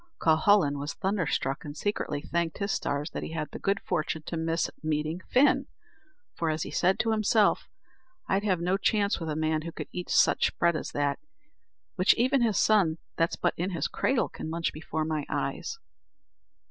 Cuhullin was thunderstruck, and secretly thanked his stars that he had the good fortune to miss meeting Fin, for, as he said to himself, "I'd have no chance with a man who could eat such bread as that, which even his son that's but in his cradle can munch before my eyes."